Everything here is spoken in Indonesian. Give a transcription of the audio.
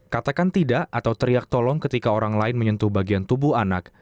katakan tidak atau teriak tolong ketika orang lain menyentuh bagian tubuh anak